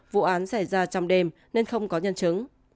vụ án xảy ra trong đêm nên không có nhân chứng